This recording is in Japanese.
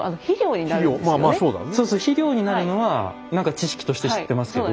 そうそう肥料になるのは何か知識として知ってますけど。